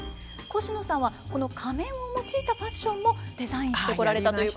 コシノさんはこの仮面を用いたファッションもデザインしてこられたということなんですよね。